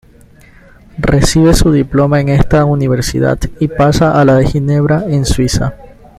Recibe su diploma en esta Universidad y pasa a la de Ginebra en Suiza.